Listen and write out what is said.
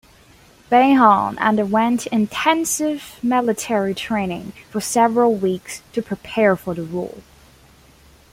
Biehn underwent intensive military training for several weeks to prepare for the role.